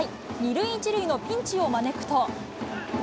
２塁１塁のピンチを招くと。